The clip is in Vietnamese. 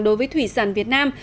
đối với thủy sản việt nam